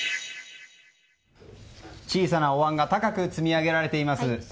小さなおわんが高く積み上げられています。